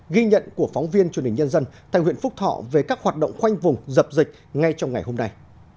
ghi nhận của phóng viên truyền hình nhân dân tại huyện phúc thọ về các hoạt động khoanh vùng dập dịch ngay trong ngày hôm nay